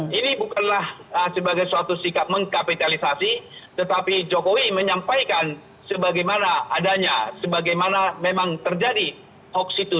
ini bukanlah sebagai suatu sikap mengkapitalisasi tetapi jokowi menyampaikan sebagaimana adanya sebagaimana memang terjadi hoax itu